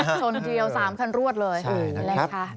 ชนเดียว๓ขั้นรวดเลยแรกค่ะโอเคครับ